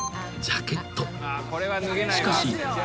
［しかし］